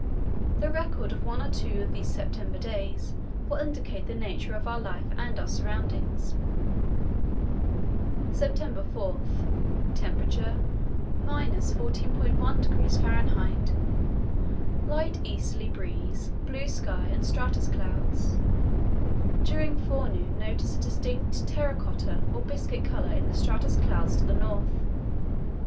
The record of one or two of these September days will indicate the nature of our life and our surroundings: "September 4.—Temperature, –14.1° Fahr. Light easterly breeze, blue sky, and stratus clouds. During forenoon notice a distinct terra cotta or biscuit colour in the stratus clouds to the north.